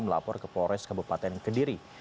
melapor ke polres kabupaten kediri